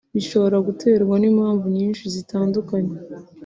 bishobora guterwa ni mpamvu nyinshi zitandukanye